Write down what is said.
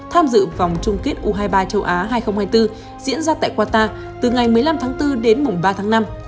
tham dự vòng chung kết u hai mươi ba châu á hai nghìn hai mươi bốn diễn ra tại qatar từ ngày một mươi năm tháng bốn đến mùng ba tháng năm